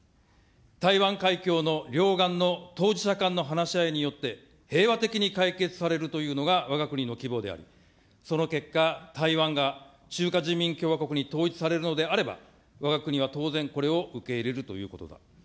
台湾海峡の両岸の当事者間の話し合いによって平和的に解決されるというのがわが国の希望であり、その結果、台湾が中華人民共和国に統一されるのであれば、わが国は当然これを受け入れるということだ。